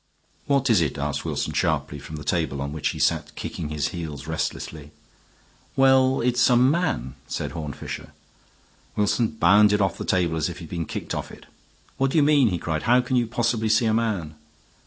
"What is it?" asked Wilson, sharply, from the table on which he sat kicking his heels restlessly. "Well, it's a man," said Horne Fisher. Wilson bounded off the table as if he had been kicked off it. "What do you mean?" he cried. "How can you possibly see a man?"